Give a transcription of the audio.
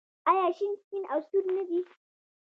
آیا شین سپین او سور نه دي؟